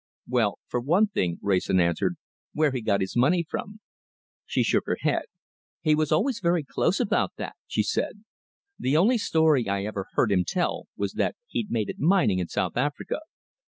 "Well, for one thing," Wrayson answered, "where he got his money from." She shook her head. "He was always very close about that," she said. "The only story I ever heard him tell was that he'd made it mining in South Africa."